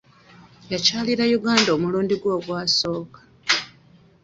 Yakyalira Uganda omulundi gwe ogusooka.